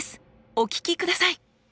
お聞きください！